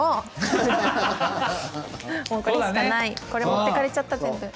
これ持ってかれちゃった全部。